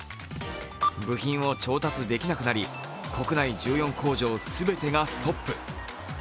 部品を調達できなくなり国内１４工場全てがストップ。